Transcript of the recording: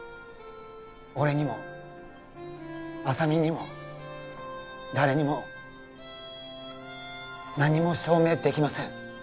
俺にも浅見にも誰にも何も証明できません